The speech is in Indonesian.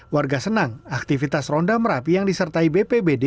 warga senang aktivitas ronda merapi yang disertai bpbd